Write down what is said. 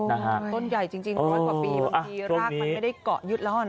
ต้นใหญ่จริงร้อยกว่าปีบางทีรากมันไม่ได้เกาะยึดแล้วหรอ